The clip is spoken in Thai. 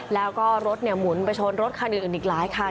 แล้วก็รถหมุนไปชนรถคันอื่นอีกหลายคัน